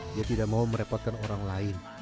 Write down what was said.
dia tidak mau merepotkan orang lain